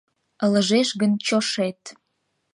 «Ылыжеш гын чошет...»